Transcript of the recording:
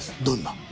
どんな？